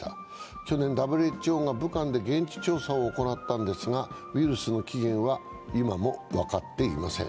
去年、ＷＨＯが武漢で現地調査を行ったんですが、ウイルスの起源は今も分かっていません。